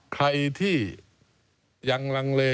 ใครที่ยังลังเล